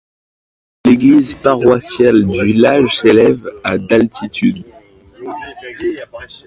L'église paroissiale du village s'élève à d'altitude.